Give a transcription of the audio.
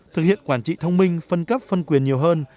thực hiện quản trị thông minh phân cấp phân quyền nhiều hơn